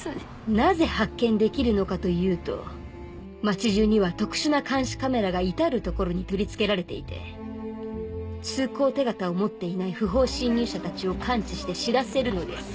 なぜ発見できるのかというと街中には特殊な監視カメラが至る所に取り付けられていて通行手形を持っていない不法侵入者たちを感知して知らせるのです。